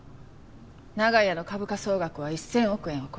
長屋の株価総額は１０００億円を超える。